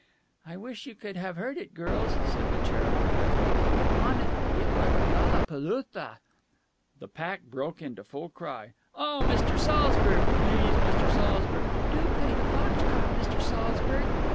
"I wish you could have heard it, girls" said the cherub regretfully. "Honetht, it was lalapalootha!" The pack broke into full cry. "Oh, Mr. Saltzburg!" "Please, Mr. Saltzburg!" "Do play the fox trot, Mr. Saltzburg!"